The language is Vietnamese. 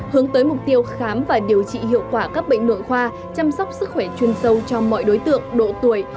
hướng tới mục tiêu khám và điều trị hiệu quả các bệnh nội khoa chăm sóc sức khỏe chuyên sâu cho mọi đối tượng độ tuổi